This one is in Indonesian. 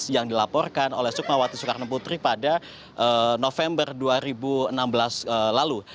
yang dilaporkan oleh sukmawati soekarno putri pada november dua ribu enam belas lalu